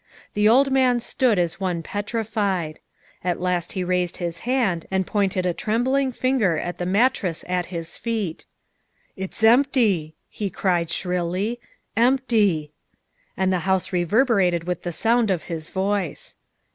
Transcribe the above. The old man stood as one petrified. At last he raised his hand and pointed a trembling finger at the mattress at his feet. " It's empty," he cried shrilly, " empty." And the house reverberated with the sound of his voice.